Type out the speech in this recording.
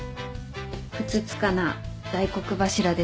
ふつつかな大黒柱ですが